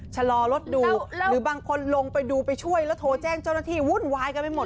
ชะลอรถดูหรือบางคนลงไปดูไปช่วยแล้วโทรแจ้งเจ้าหน้าที่วุ่นวายกันไปหมด